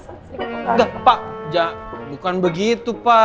enggak pak bukan begitu pak